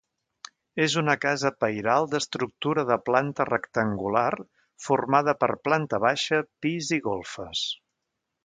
És una casa pairal d'estructura de planta rectangular formada per planta baixa, pis i golfes.